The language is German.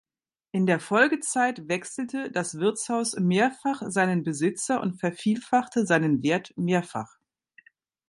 In der Folgezeit wechselte das Wirtshaus mehrfach seinen Besitzer und vervielfachte seinen Wert mehrfach.